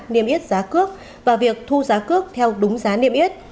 niêm yết giá cước và việc thu giá cước theo đúng giá niêm yết